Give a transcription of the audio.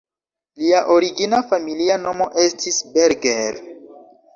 Lia origina familia nomo estis "Berger".